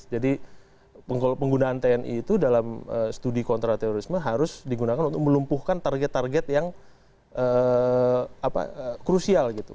jadi penggunaan tni itu dalam studi kontraterorisme harus digunakan untuk melumpuhkan target target yang krusial gitu